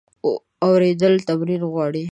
اورېدل تمرین غواړي.